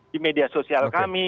di media sosial kami